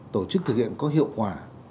tổ chức thực hiện có hiệu quả